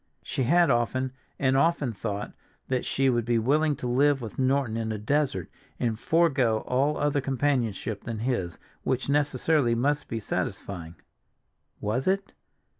She had often and often thought that she would be willing to live with Norton in a desert, and forego all other companionship than his, which necessarily must be satisfying. Was it?